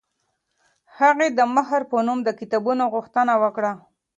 هغې د مهر په نوم د کتابونو غوښتنه وکړه.